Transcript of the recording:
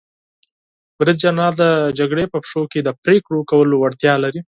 برید جنرال د جګړې په پیښو کې د پریکړو کولو وړتیا لري.